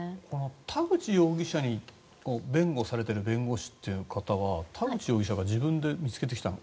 田口容疑者を弁護されている弁護士は田口容疑者が自分で見つけてきたの？